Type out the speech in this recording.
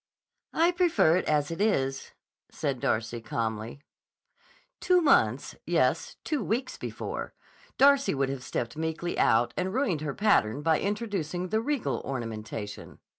"I prefer it as it is," said Darcy calmly. Two months—yes, two weeks before—Darcy would have stepped meekly out and ruined her pattern by introducing the Riegel ornamentation.